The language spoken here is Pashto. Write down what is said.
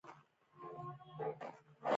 دولت د خپلو سیاسي او اقتصادي ګټو توافق غواړي